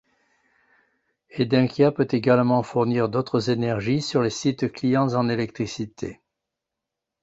Edenkia peut également fournir d’autres énergies sur les sites clients en électricité.